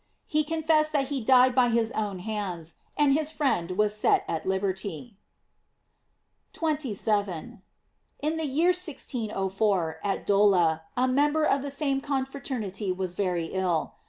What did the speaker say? He confessed that he died by his own hands, and his friend was set at liberty.* 27. — In the year 1604, at Dola, a member of the same confraternity was very ill.